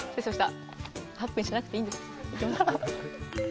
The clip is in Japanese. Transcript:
アップにしなくていいんです。